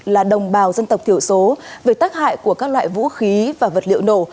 là đồng bào dân tộc thiểu số về tác hại của các loại vũ khí và vật liệu nổ